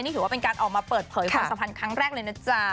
นี่ถือว่าเป็นการออกมาเปิดเผยความสัมพันธ์ครั้งแรกเลยนะจ๊ะ